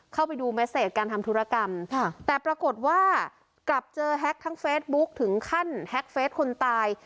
เข้าไปดูเมสเซจการทำธุรกรรมแต่ปรากฏว่ากลับเจอแฮ็กทั้งเฟซบุ๊คถึงขั้นแฮ็กเฟสคนตาย